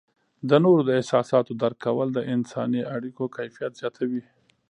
د نورو د احساساتو درک کول د انسانی اړیکو کیفیت زیاتوي.